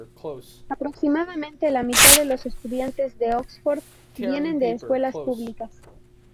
Aproximadamente la mitad de los estudiantes de Oxford vienen de escuelas públicas.